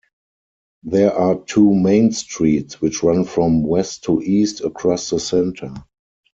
There are two "Main Streets", which run from west to east across the center.